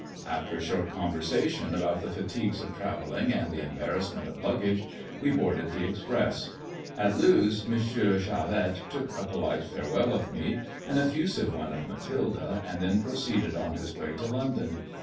If ter a short conversation about the fatigues of travelling md the embarrassment of luggage, we boarded the express, ^t Lewes M. Charette took a polite farewell of me, an )£Eusive one of Mathilde, and then proceeded on his way to EiOndon.